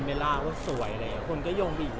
ปรากฏอรับอยอด